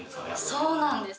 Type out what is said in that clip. そうなんです